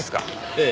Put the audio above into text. ええ。